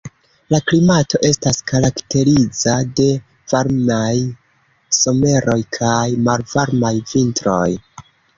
La klimato estas karakterizita de varmaj someroj kaj malvarmaj vintroj.